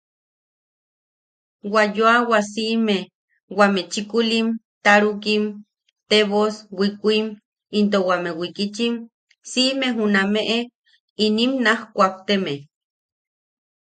Wa yoawa siʼime wame chikulim, tarukim, tebos, wikuim into wame wikichim, siʼime junameʼe inim naaj kuakteme...